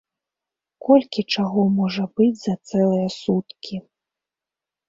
Колькі чаго можа быць за цэлыя суткі.